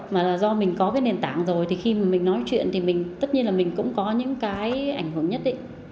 mà do mình có cái nền tảng rồi thì khi mình nói chuyện thì tất nhiên là mình cũng có những cái ảnh hưởng nhất